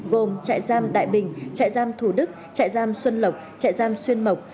gồm trại giam đại bình trại giam thủ đức trại giam xuân lộc trại giam xuyên mộc